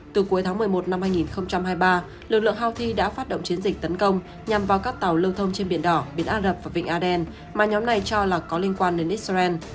từ cuối tháng một mươi một năm hai nghìn hai mươi ba lực lượng hào thi đã phát động chiến dịch tấn công nhằm vào các tàu lưu thông trên biển đỏ biển á rập và vịnh a đen mà nhóm này cho là có liên quan đến israel